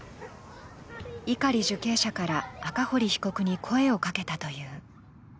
碇受刑者から赤堀被告に声をかけたという。